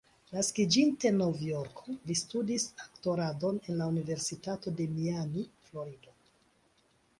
Naskiĝinte en Novjorko, li studis aktoradon en la Universitato de Miami, Florido.